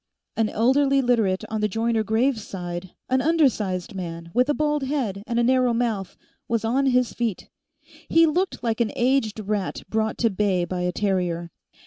An elderly Literate on the Joyner Graves side, an undersized man with a bald head and a narrow mouth, was on his feet. He looked like an aged rat brought to bay by a terrier.